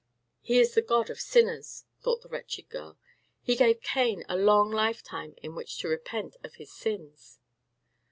"He is the God of sinners," thought the wretched girl. "He gave Cain a long lifetime in which to repent of his sins."